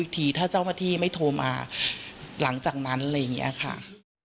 ทีถ้าเจ้าหน้าที่ไม่โทรมาหลังจากนั้นอะไรอย่างนี้ค่ะ